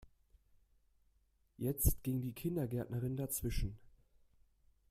Jetzt ging die Kindergärtnerin dazwischen.